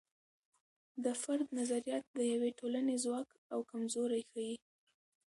د فرد نظریات د یوې ټولنې ځواک او کمزوري ښیي.